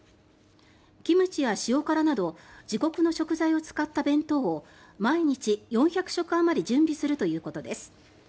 キムチや塩辛など自国の食材を使った弁当を毎日４００食あまり準備するということです。